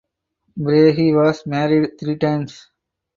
Brahe was married three times.